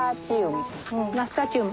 ナスタチウム。